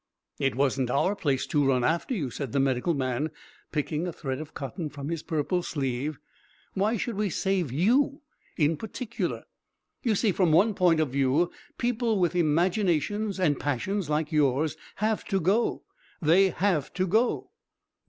"It wasn't our place to run after you," said the medical man, picking a thread of cotton from his purple sleeve. "Why should we save you in particular? You see from one point of view people with imaginations and passions like yours have to go they have to go."